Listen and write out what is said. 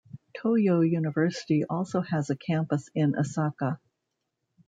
Toyo University also has a campus in Asaka.